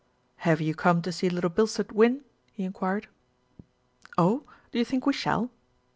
"Have you come to see Little Bilstead win?" he enquired. "Oh! Do you think we shall?"